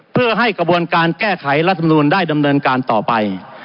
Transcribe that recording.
เพื่อให้กระบวนการแก้ไขรัฐมนูลได้ดำเนินการต่อไป